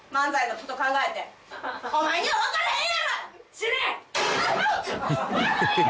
死ね！